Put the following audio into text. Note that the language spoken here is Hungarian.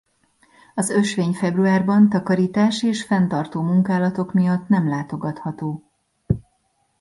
Az ösvény februárban takarítás és fenntartó munkálatok miatt nem látogatható.